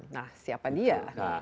nah siapa dia